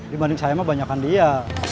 dibanding saya mah banyakan dia